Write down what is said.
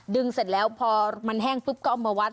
เสร็จแล้วพอมันแห้งปุ๊บก็เอามาวัด